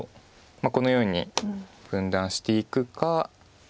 このように分断していくか。